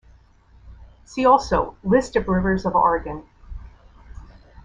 See also List of rivers of Oregon.